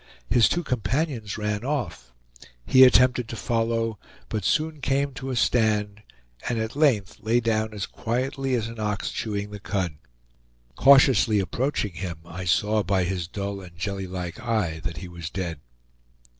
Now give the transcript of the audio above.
His two companions ran off. He attempted to follow, but soon came to a stand, and at length lay down as quietly as an ox chewing the cud. Cautiously approaching him, I saw by his dull and jellylike eye that he was dead.